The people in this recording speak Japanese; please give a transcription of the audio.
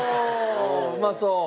うまそう！